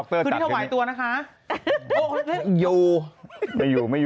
คืนนี้ถวัญตัวนะคะ